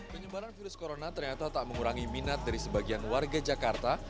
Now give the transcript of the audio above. penyebaran virus corona ternyata tak mengurangi minat dari sebagian warga jakarta